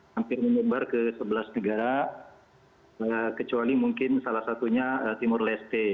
hampir menyebar ke sebelas negara kecuali mungkin salah satunya timur leste